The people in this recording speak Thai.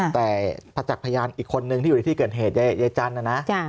แต่ประจักษ์พยานอีกคนนึงที่อยู่ในที่เกิดเหตุยายจันทร์นะนะ